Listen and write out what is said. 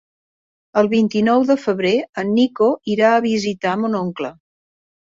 El vint-i-nou de febrer en Nico irà a visitar mon oncle.